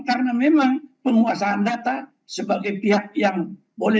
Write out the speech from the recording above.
karena memang penguasaan data sebagai pihak yang boleh diperoleh